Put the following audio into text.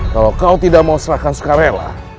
kalau kau tidak mau serahkan sukarela